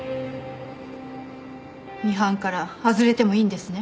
ミハンから外れてもいいんですね？